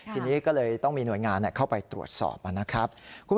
ทีนี้ก็เลยต้องมีหน่วยงานเข้าไปตรวจสอบนะครับ